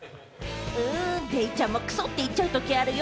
デイちゃんも「クソっ！」って言っちゃうときあるよ。